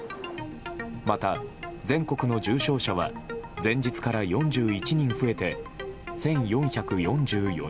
また、全国の重症者は前日から４１人増えて１４４４人。